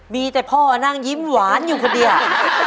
มีแต่พ่อนั่งยิ้มหวานอยู่คนเดียว